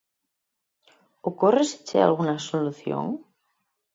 Ocórreseche algunha solución?